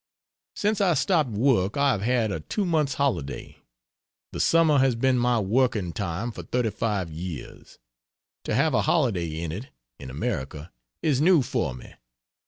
Since I stopped work I have had a two months' holiday. The summer has been my working time for 35 years; to have a holiday in it (in America) is new for me.